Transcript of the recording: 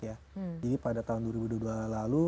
jadi pada tahun dua ribu dua puluh dua lalu